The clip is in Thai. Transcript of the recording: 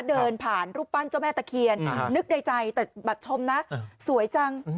เดินผ่านรูปปั้นเจ้าแม่ตะเคียนนึกในใจแต่แบบชมนะสวยจัง